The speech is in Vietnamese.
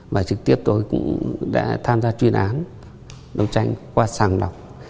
và trực tiếp tôi cũng đã tham gia chuyên án đấu tranh qua sàng lọc